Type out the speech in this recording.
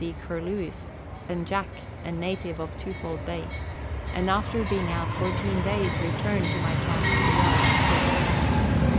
C. Curlewis) and Jack, a native of Twofold Bay, and after being out fourteen days returned to my camp at the Yalloak Creek.